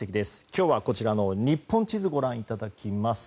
今日は、こちらの日本地図をご覧いただきます。